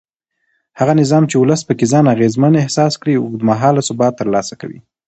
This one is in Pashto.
هغه نظام چې ولس پکې ځان اغېزمن احساس کړي اوږد مهاله ثبات ترلاسه کوي